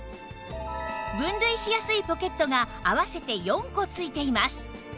分類しやすいポケットが合わせて４個付いています